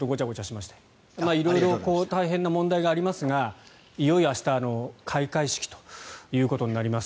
色々大変な問題がありますがいよいよ明日開会式ということになります。